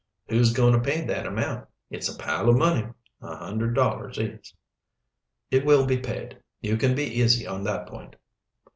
"Who's going to pay that amount? It's a pile of money, a hundred dollars is." "It will be paid, you can be easy on that point."